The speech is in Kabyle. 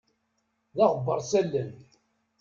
D aɣebbaṛ s allen.